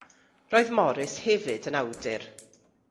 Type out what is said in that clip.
Roedd Morris hefyd yn awdur.